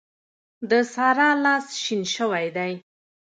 د سارا لاس شين شوی دی.